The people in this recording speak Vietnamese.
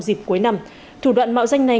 dịp cuối năm thủ đoạn mạo danh này